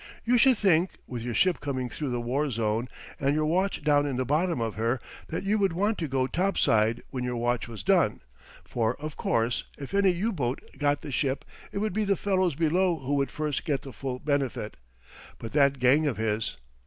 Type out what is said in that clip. "You would think, with your ship coming through the war zone and your watch down in the bottom of her, that you would want to go up topside when your watch was done, for, of course, if any U boat got the ship, it would be the fellows below who would first get the full benefit." But that gang of his!